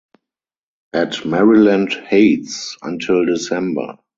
At Maryland Heights until December.